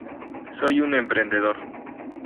Soy un emprendedor.